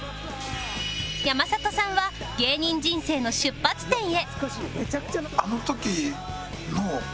山里さんは芸人人生の出発点へ